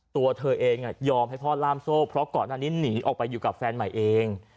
ตัวเธอเองยอมให้พ่อล่ามโซ่เพราะก่อนหน้านี้หนีออกไปอยู่กับแฟนใหม่เอง